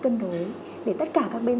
cân đối để tất cả các bên